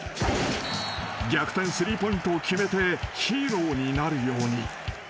［逆転スリーポイントを決めてヒーローになるように］